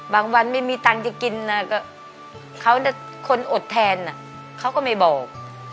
บางวันไม่มีตังค์จะกินน่ะก็เขาน่ะคนอดแทนน่ะเขาก็ไม่บอก